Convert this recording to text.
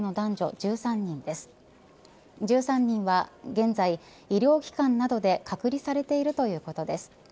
１３人は現在医療機関などで隔離されているということです。